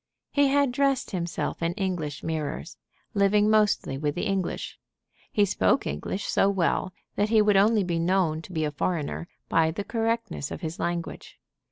He had dressed himself in English mirrors, living mostly with the English. He spoke English so well that he would only be known to be a foreigner by the correctness of his language.